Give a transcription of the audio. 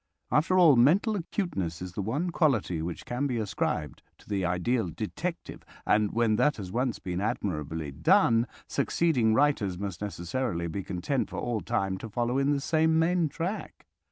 After all, mental acuteness is the one quality which can be ascribed to the ideal detective, and when that has once been admirably done, succeeding writers must necessarily be content for all time to follow in the same main track.